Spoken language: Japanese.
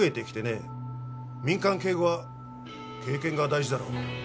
民間警護は経験が大事だろ。